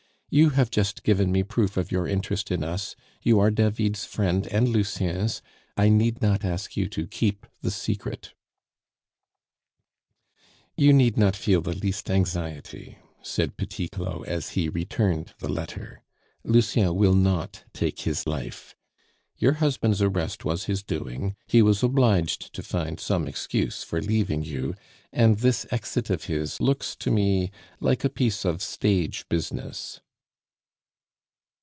"You have just given me proof of your interest in us; you are David's friend and Lucien's; I need not ask you to keep the secret " "You need not feel the least anxiety," said Petit Claud, as he returned the letter. "Lucien will not take his life. Your husband's arrest was his doing; he was obliged to find some excuse for leaving you, and this exit of his looks to me like a piece of stage business."